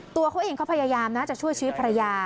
ตัวเขาเองเขาพยายามนะจะช่วยชีวิตภรรยา